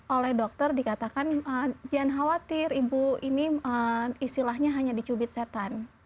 oleh dokter dikatakan jangan khawatir ibu ini istilahnya hanya dicubit setan